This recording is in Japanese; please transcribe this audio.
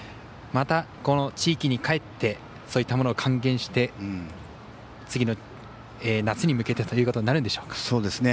また、この地域に帰ってそういったものを還元して次の夏に向けてということになるんでしょうか。